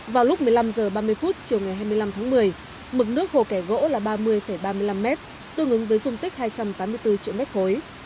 vào lúc một mươi năm h ba mươi chiều hai mươi năm một mươi mực nước hồ cải gỗ là ba mươi ba mươi năm m tương ứng với dung tích hai trăm tám mươi bốn triệu mét khối